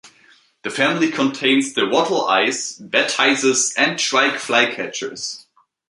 The family contains the wattle-eyes, batises and shrike-flycatchers.